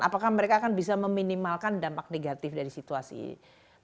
apakah mereka akan bisa meminimalkan dampak negatif dari situasi ini